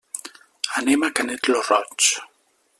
Anem a Canet lo Roig.